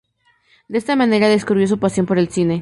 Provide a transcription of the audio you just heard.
De esta manera descubrió su pasión por el cine.